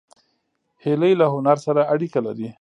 هیلۍ له هنر سره اړیکه لري